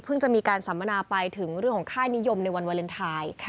จะมีการสัมมนาไปถึงเรื่องของค่ายนิยมในวันวาเลนไทย